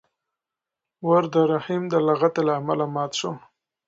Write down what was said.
ور د رحیم د لغتې له امله مات شو.